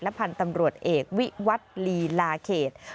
พันธุ์ตำรวจเอกวิวัตรลีลาเขต